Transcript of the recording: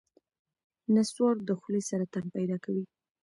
نسوار د خولې سرطان پیدا کوي.